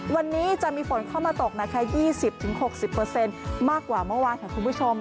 วันนี้จะมีฝนเข้ามาตกนะคะ๒๐๖๐มากกว่าเมื่อวานค่ะคุณผู้ชม